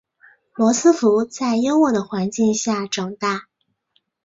罗斯福在优渥的环境下长大。